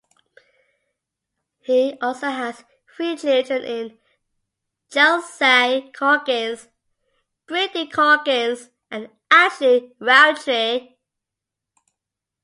He also has three children in Chelsei Corkins, Brittney Corkins, and Ashley Roundtre.